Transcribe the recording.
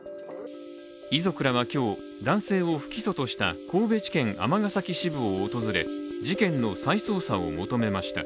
遺族らは今日、男性を不起訴とした神戸地検尼崎支部を訪れ、事件の再捜査を求めました。